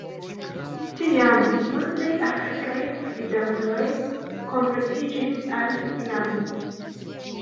Tiam multaj afrikaj gvidantoj konvertiĝis al islamo.